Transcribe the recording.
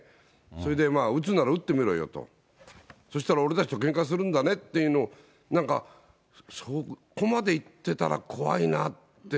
それで撃つなら撃ってみろよと、そしたら俺たちとけんかするんだねっていうのを、なんかそこまでいってたら怖いなって。